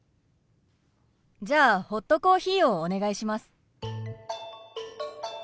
じゃあホットコーヒーをお願いします。